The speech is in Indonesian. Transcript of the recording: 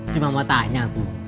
cuma mau tanya